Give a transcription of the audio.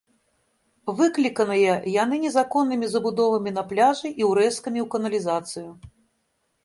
Выкліканыя яны незаконнымі забудовамі на пляжы і ўрэзкамі ў каналізацыю.